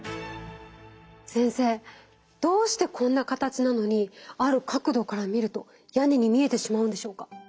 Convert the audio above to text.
先生どうしてこんな形なのにある角度から見ると屋根に見えてしまうんでしょうか？